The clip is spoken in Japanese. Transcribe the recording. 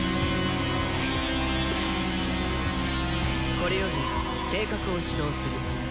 これより計画を始動する。